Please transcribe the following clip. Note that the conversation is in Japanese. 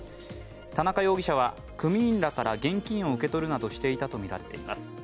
田中容疑者は、組員らから現金を受け取るなどしていたとみられています。